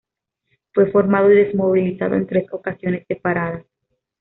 Fue formado y desmovilizado en tres ocasiones separadas.